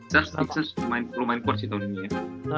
sixers belum main court sih tahun ini ya